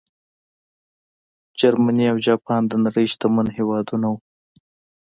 جرمني او جاپان د نړۍ شتمن هېوادونه وو.